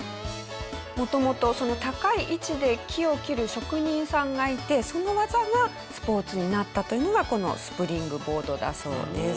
元々高い位置で木を切る職人さんがいてその技がスポーツになったというのがこのスプリングボードだそうです。